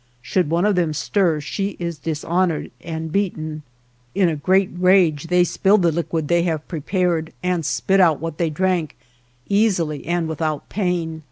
Should one of them stir, she is dishonored and beaten. In a great rage they spill the liquid they have prepared and spit out what they drank, easily and without pain.